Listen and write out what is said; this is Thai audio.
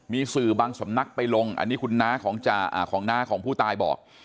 มีสื่อบางสำนักไปลงอันนี้คุณน้าของน้าของผู้ตายบอก